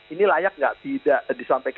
ini layak nggak disampaikan di buka umum itu aja